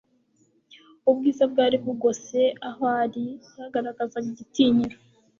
Ubwiza bwari bugose aho ari, bwagaragazaga igitinyiro.